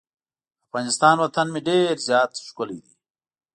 افغانستان وطن مې ډیر زیات ښکلی دی.